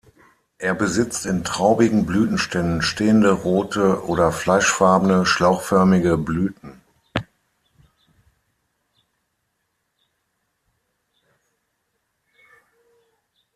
Er besitzt in traubigen Blütenständen stehende rote oder fleischfarbene, schlauchförmige Blüten.